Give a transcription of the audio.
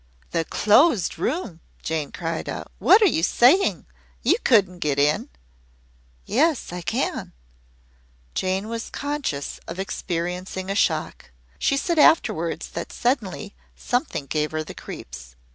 "The Closed Room!" Jane cried out. "What are you saying? You couldn't get in?" "Yes, I can." Jane was conscious of experiencing a shock. She said afterwards that suddenly something gave her the creeps.